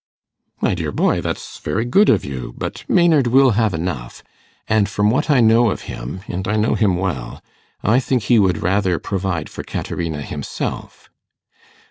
'My dear boy, that's very good of you; but Maynard will have enough; and from what I know of him and I know him well I think he would rather provide for Caterina himself.